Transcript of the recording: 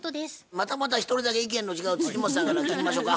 またまた一人だけ意見の違う本さんから聞きましょか。